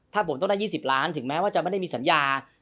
ถ้าผมต้องได้๒๐ล้านถึงแม้ว่าจะไม่ได้มีสัญญา